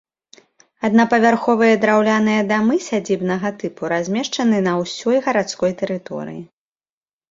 Аднапавярховыя драўляныя дамы сядзібнага тыпу размешчаны на ўсёй гарадской тэрыторыі.